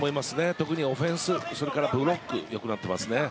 特にオフェンスブロックが良くなっていますね。